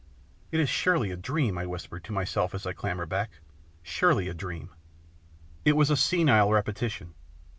" It is surely a dream," I whimpered to myself as I clambered back, " surely a dream." It was a senile repetition.